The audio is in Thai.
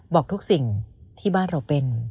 บอกทุกสิ่งที่บ้านเราเป็น